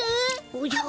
おじゃ。